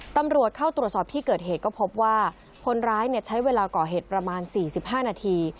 ตำรวจเข้าตรวจสอบที่เกิดเหตุก็พบว่าคนร้ายใช้เวลาก่อเหตุประมาณ๔๕นาที